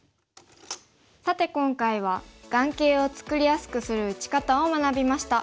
さて今回は眼形を作りやすくする打ち方を学びました。